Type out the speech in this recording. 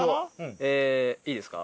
いいですか？